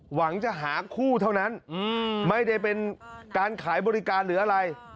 หวังจะหาคู่เท่านั้นไม่ได้เป็นการขายบริการหรืออะไร